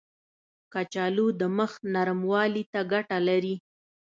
کچالو د مخ نرموالي ته ګټه لري.